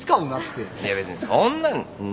いや別にそんなんなあ。